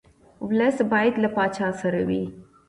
ولس باید له پاچا سره وي.